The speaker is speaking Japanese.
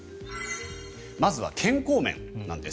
まずは健康面なんです。